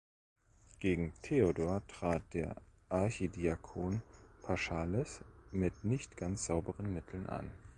Gegen Theodor trat der Archidiakon Paschalis mit nicht ganz sauberen Mitteln an.